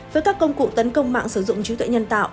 với các công cụ tấn công mạng sử dụng trí tuệ nhân tạo